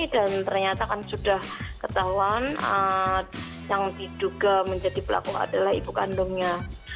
dan ternyata kan sudah ketahuan yang diduga menjadi pelaku adalah ibu kandungnya